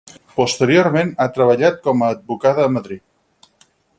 Posteriorment ha treballat com a advocada a Madrid.